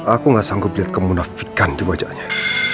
aku gak sanggup liat kemunafikan di wajahnya